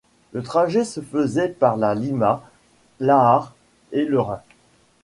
Le trajet se faisait par la Limmat, l'Aar et le Rhin.